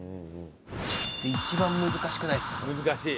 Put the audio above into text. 一番難しくないですか？